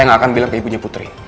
saya gak akan bilang ke ibunya putri